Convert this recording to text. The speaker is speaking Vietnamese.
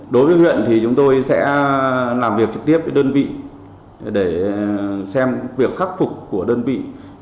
đối với huyện thì chúng tôi sẽ làm việc trực tiếp với đơn vị để xem việc khắc phục của đơn vị